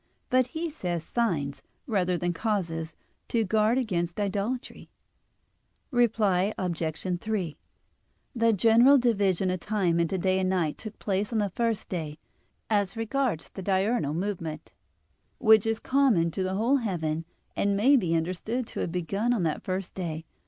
But he says "signs," rather than "causes," to guard against idolatry. Reply Obj. 3: The general division of time into day and night took place on the first day, as regards the diurnal movement, which is common to the whole heaven and may be understood to have begun on that first day.